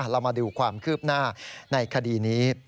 เรามาดูความคืบหน้าในคดีนี้